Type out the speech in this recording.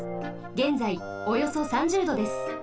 げんざいおよそ３０℃です。